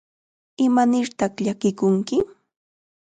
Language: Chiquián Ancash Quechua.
¿Imanirtaq llakikunki?